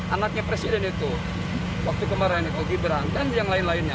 anaknya presiden itu waktu kemarin itu gibran dan yang lain lainnya